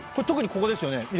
特にここですよね。